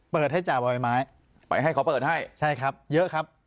เปิดให้จ่าบ่อยไม้ไปให้ขอเปิดให้ใช่ครับเยอะครับ